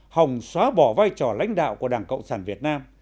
hòng xóa bỏ vai trò lãnh đạo của đảng cộng sản việt nam